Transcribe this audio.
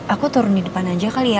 aku turun di depan aja kali ya